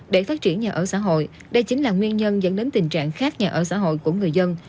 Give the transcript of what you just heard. để phát triển nhà ở xã hội đây chính là nguyên nhân dẫn đến tình trạng khác nhà ở xã hội của người dân